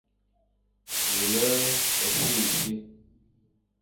Wule sisi,